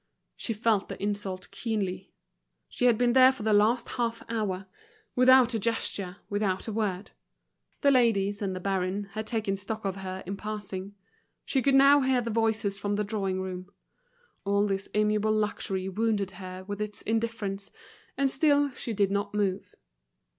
She felt the insult keenly. She had been there for the last half hour, without a gesture, without a word. The ladies and the baron had taken stock of her in passing; she could now hear the voices from the drawing room. All this amiable luxury wounded her with its indifference, and still she did not move.